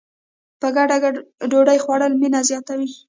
په ګډه ډوډۍ خوړل مینه زیاتوي.